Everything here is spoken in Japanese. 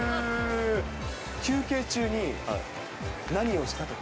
休憩中に何をしたとか？